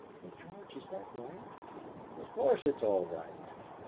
"But, George, is that right?" "Of course it's all right."